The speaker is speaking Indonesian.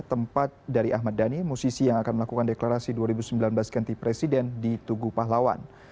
tempat dari ahmad dhani musisi yang akan melakukan deklarasi dua ribu sembilan belas ganti presiden di tugu pahlawan